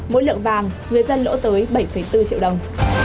mỗi lượng vàng người dân lỗ tới bảy bốn triệu đồng